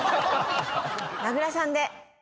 名倉さんで。